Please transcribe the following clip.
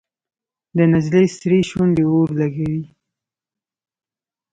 د نجلۍ سرې شونډې اور لګوي.